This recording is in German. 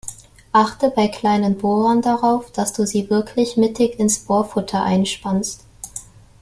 Achte bei kleinen Bohrern darauf, dass du sie wirklich mittig ins Bohrfutter einspannst.